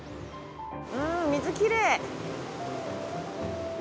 うん水きれい。